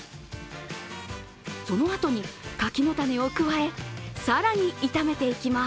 そのあとに柿の種を加え、更に炒めていきます。